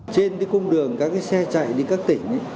trên cái cung đường các cái xe chạy đi các tỉnh